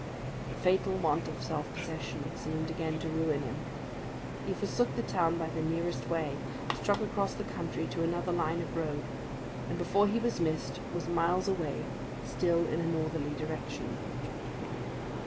The fatal want of self possession seemed again to ruin him. He forsook the town by the nearest way, struck across the country to another line of road, and before he was missed, was miles away, still in a northerly direction.